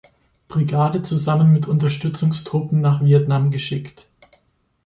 Brigade zusammen mit Unterstützungstruppen nach Vietnam geschickt.